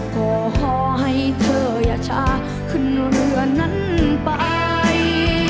ก็ขอให้เธออย่าช้าขึ้นเรือนั้นไป